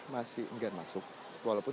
masih enggak masuk walaupun